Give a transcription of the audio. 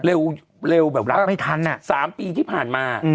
เร็วเร็วแบบว่า๓ปีที่ผ่านมา